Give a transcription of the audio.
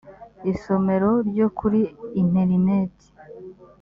isomero ryo kuri interineti